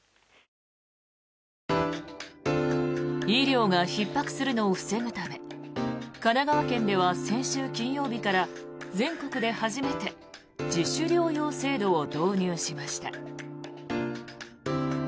医療がひっ迫するのを防ぐため神奈川県では先週金曜日から全国で初めて自主療養制度を導入しました。